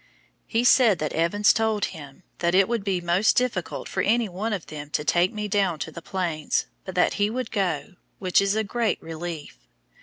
He said that Evans told him that it would be most difficult for any one of them to take me down to the Plains, but that he would go, which is a great relief.